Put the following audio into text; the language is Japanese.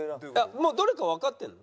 もうどれかわかってんの？